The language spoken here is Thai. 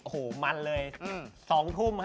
โอ้โหมันเลย๒ทุ่มฮะ